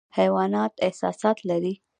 حیوانات احساسات لري